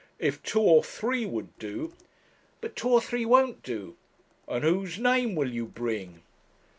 if two or three would do ' 'But two or three won't do.' 'And whose name will you bring?'